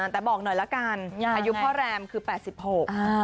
แต่บอกหน่อยแล้วกันอายุพ่อแรมคือ๘๖ใช่ไหม